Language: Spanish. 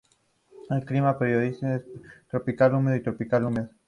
El clima predominante es el tropical húmedo y tropical muy húmedo.